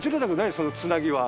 そのつなぎは。